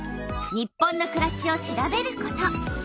「日本のくらし」を調べること。